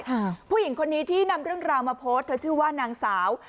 ผู้หญิงคนนี้ที่นำเรื่องราวมาโพสต์เธอชื่อว่านางสาว